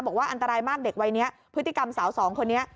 บอกว่าอันตรายมากเด็กวัยนี้พฤติกรรมสาวสองคนนี้